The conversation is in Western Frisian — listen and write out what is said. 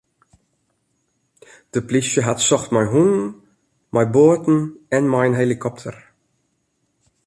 De plysje hat socht mei hûnen, mei boaten en mei in helikopter.